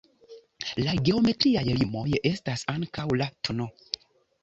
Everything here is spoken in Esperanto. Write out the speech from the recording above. La geometriaj limoj estas ankaŭ la tn.